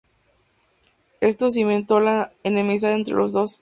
Esto cimentó la enemistad entre los dos.